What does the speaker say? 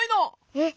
えっ？